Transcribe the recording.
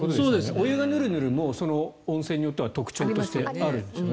お湯がヌルヌルも温泉の特徴としてあるんですよね。